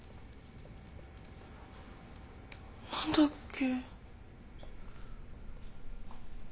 何だっけ？